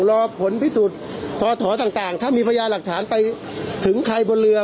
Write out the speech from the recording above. รอผลพิสูจน์พอถอต่างถ้ามีพยาหลักฐานไปถึงใครบนเรือ